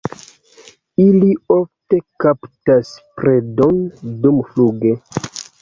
Ili ofte kaptas predon dumfluge.